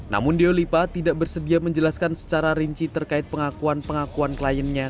namun deolipa tidak bersedia menjelaskan secara rinci terkait pengakuan pengakuan kliennya